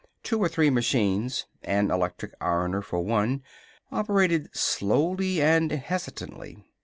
Two or three machines an electric ironer, for one operated slowly and hesitantly.